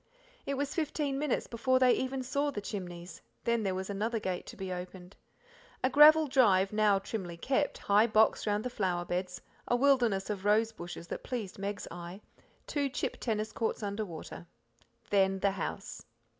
It was fifteen minutes before they even saw the chimneys, then there was another gate to be opened. A gravel drive now trimly kept, high box round the flower beds, a wilderness of rose bushes that pleased Meg's eye, two chip tennis courts under water. Then the house.